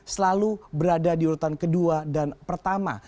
selalu berada di urutan kedua dan pertama